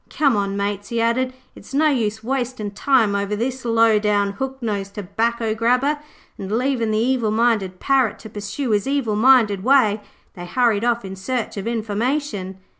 Come on, mates,' he added, 'it's no use wastin' time over this low down, hook nosed tobacco grabber.' And leaving the evil minded Parrot to pursue his evil minded way, they hurried off in search of information.